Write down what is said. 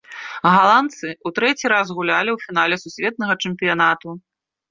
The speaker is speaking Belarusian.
Галандцы ў трэці раз гулялі ў фінале сусветнага чэмпіянату.